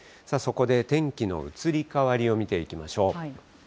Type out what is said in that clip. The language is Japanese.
そこで天気の移り変わりを見ていきましょう。